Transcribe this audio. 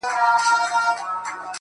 هر وختي ته نـــژدې كـيــږي دا.